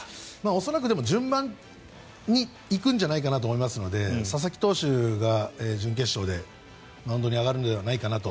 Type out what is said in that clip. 恐らく順番に行くんじゃないかなと思いますので佐々木投手が準決勝でマウンドに上がるのではないかなと。